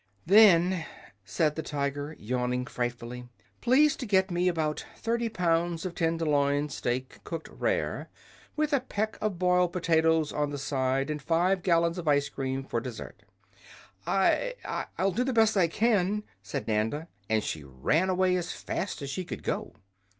"Then," said the Tiger, yawning frightfully, "please to get me about thirty pounds of tenderloin steak, cooked rare, with a peck of boiled potatoes on the side, and five gallons of ice cream for dessert." "I I'll do the best I can!" said Nanda, and she ran away as fast as she could go.